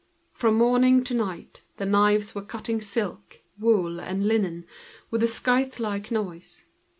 From morning to night, the knives were cutting up silk, wool, and linen, with a scythe like noise.